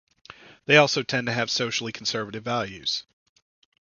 They also tend to have socially conservative values.